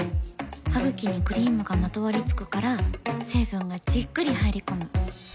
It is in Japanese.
ハグキにクリームがまとわりつくから成分がじっくり入り込む。